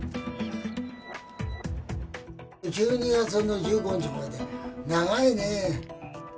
１２月の１５日まで、長いね。